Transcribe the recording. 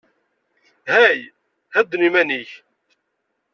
Hey, hedden iman-ik.